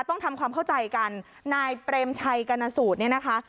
ต้องทำความเข้าใจกันนายเปรมชัยกรณสูตรเนี่ยนะคะ